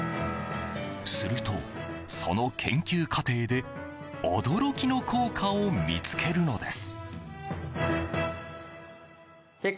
すると、その研究過程で驚きの効果を見つけるのです。